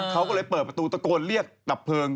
เขาก็เลยเปิดประตูตะโกนเรียกดับเพลิง